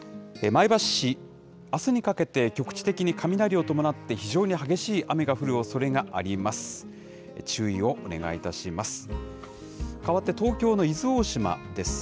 前橋市、あすにかけて、局地的に雷を伴って非常に激しい雨が降るおそれがあります。